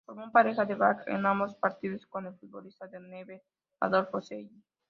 Formó pareja de backs en ambos partidos con el futbolista de Newell's Adolfo Celli.